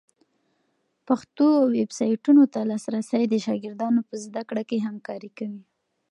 پښتو ویبسایټونو ته لاسرسی د شاګردانو په زده کړه کي همکاری کوي.